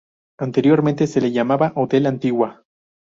Anteriormente se le llamaba "Hotel Antigua".